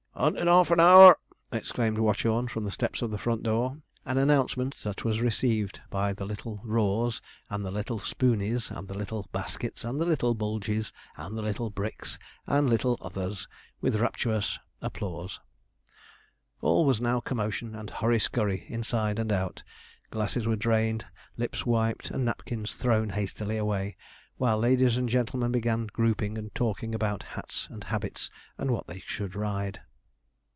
''Unt in 'alf an hour!' exclaimed Watchorn, from the steps of the front door; an announcement that was received by the little Raws, and little Spooneys, and little Baskets, and little Bulgeys, and little Bricks, and little others, with rapturous applause. All was now commotion and hurry scurry inside and out; glasses were drained, lips wiped, and napkins thrown hastily away, while ladies and gentlemen began grouping and talking about hats and habits, and what they should ride.